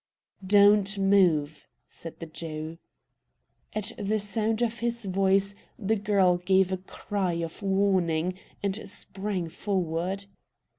"Don't move!" said the Jew. At the sound of his voice the girl gave a cry of warning, and sprang forward.